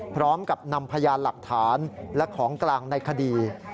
พร้อมกับนำพยานหลักฐานและของกลางในคดี